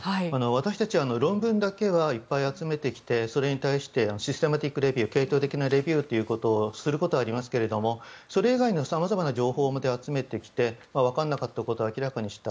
私たちは論文だけはいっぱい集めてきてそれに対してシステムティックレビューをすることはありますがそれ以外のさまざまな情報を集めてきて分からないことを明らかにした。